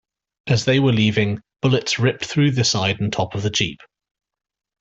As they were leaving, bullets ripped through the side and top of the Jeep.